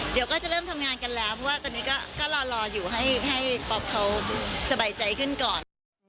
เดี๋ยวก็จะเริ่มทำงานกันแล้วเพราะว่าตอนนี้ก็รออยู่ให้ป๊อปเขาสบายใจขึ้นก่อน